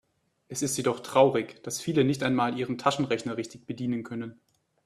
Es ist jedoch traurig, dass viele nicht einmal ihren Taschenrechner richtig bedienen können.